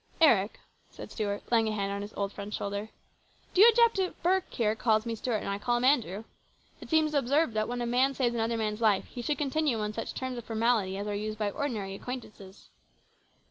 " Eric," said Stuart, laying a hand on his old friend's shoulder, " do you object if Burke here calls me Stuart and I call him Andrew ? It seems absurd that when a man saves another man's life he should continue on such terms of formality as are used by ordinary acquaintances."